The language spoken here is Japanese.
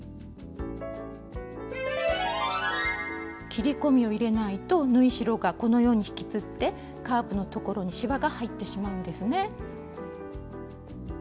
切り込みを入れないと縫い代がこのように引きつってカーブのところにしわが入ってしまうんですね。